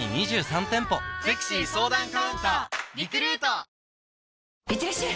警察はいってらっしゃい！